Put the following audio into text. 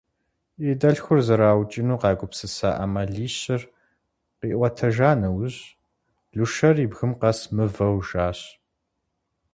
И дэлъхур зэраукӏыну къагупсыса ӏэмалищыр къиӏуэтэжа нэужь, Лушэр и бгым къэс мывэу жащ.